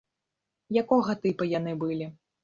Якога тыпа яны былі?